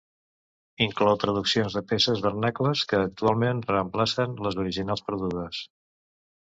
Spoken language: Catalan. Inclou traduccions de peces vernacles que actualment reemplacen les originals perdudes.